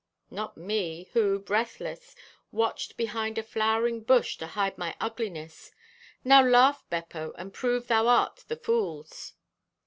Not me, who, breathless, watched behind a flowering bush to hide my ugliness. Now laugh, Beppo, and prove thou art the fool's!